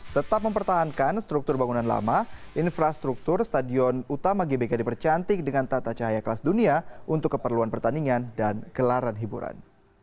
tetap mempertahankan struktur bangunan lama infrastruktur stadion utama gbk dipercantik dengan tata cahaya kelas dunia untuk keperluan pertandingan dan gelaran hiburan